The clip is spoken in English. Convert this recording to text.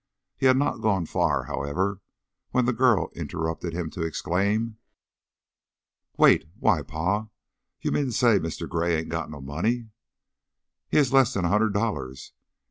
He had not gone far, however, when the girl interrupted him to exclaim: "Wait! Why, Pa! You mean to say Mister Gray 'ain't got no money?" "He had less 'n a hundred dollars.